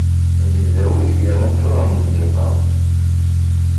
Zegzawit yerna ččuren d lliqa.